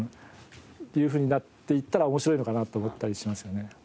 っていうふうになっていったら面白いのかなと思ったりしますよね。